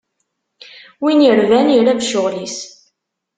Win irban irab ccɣel-is.